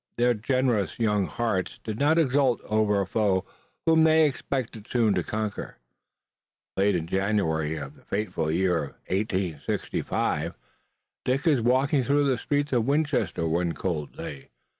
Their generous young hearts did not exult over a foe whom they expected soon to conquer. Late in January of the fateful year 1865 Dick was walking through the streets of Winchester one cold day.